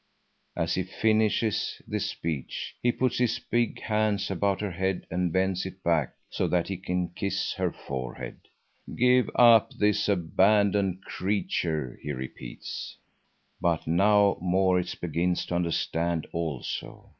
As he finishes this speech, he puts his big hands about her head and bends it back so that he can kiss her forehead. "Give up this abandoned creature!" he repeats. But now Maurits begins to understand also.